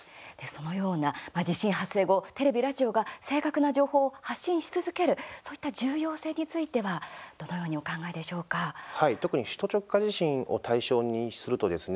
そのような地震発生後テレビ、ラジオが正確な情報を発信し続けるそういった重要性についてははい、特に首都直下地震を対象にするとですね